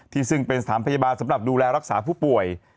ซึ่งเป็นสถานพยาบาลสำหรับดูแลรักษาผู้ป่วย